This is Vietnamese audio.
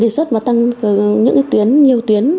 chứ đề xuất mà tăng những tuyến nhiều tuyến